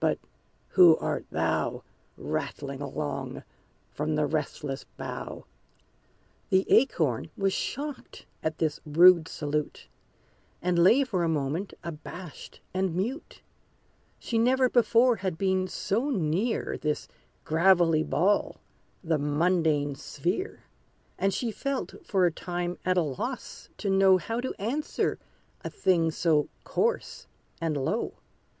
but who art thou, Rattling along from the restless bough?" The Acorn was shocked at this rude salute, And lay for a moment abashed and mute: She never before had been so near This gravelly ball, the mundane sphere; And she felt for a time at loss to know How to answer a thing so coarse and low.